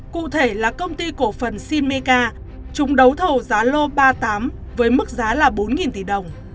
cụ thể là công ty cổ phần shineka chúng đấu thầu giá lô ba mươi tám với mức giá là bốn tỷ đồng